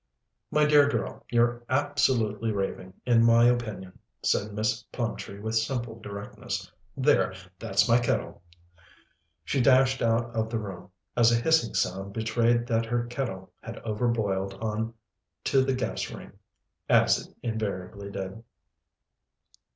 "My dear girl, you're ab solutely raving, in my opinion," said Miss Plumtree with simple directness. "There! That's my kettle." She dashed out of the room, as a hissing sound betrayed that her kettle had overboiled on to the gas ring, as it invariably did.